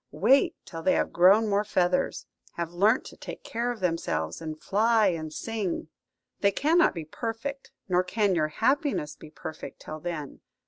Wait till they have grown more feathers, have learnt to take care of themselves, and fly and sing. They cannot be perfect, nor can your happiness be perfect, till then.